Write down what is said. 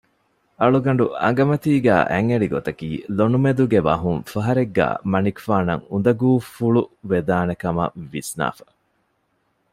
އަޅުގަނޑު އަނގަމަތީގައި އަތްއެޅިގޮތަކީ ލޮނުމެދުގެ ވަހުން ފަހަރެއްގައި މަނިކުފާނަށް އުނދަގޫފުޅު ވެދާނެކަމަށް ވިސްނައިފަ